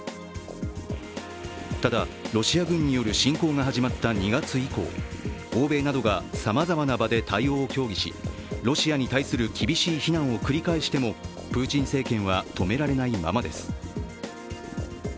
ただ、ロシア軍による侵攻が始まった２月以降、欧米などがさまざまな場で対応を協議しロシアに対する厳しい非難を繰り返してもプーチン政権は止められないままです。